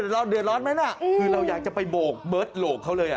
เราเดือดร้อนไหมน่ะคือเราอยากจะไปโบกเบิร์ตโหลกเขาเลย